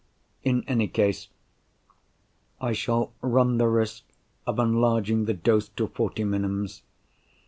In any case, I shall run the risk of enlarging the dose to forty minims.